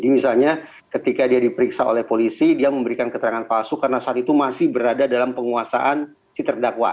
misalnya ketika dia diperiksa oleh polisi dia memberikan keterangan palsu karena saat itu masih berada dalam penguasaan si terdakwa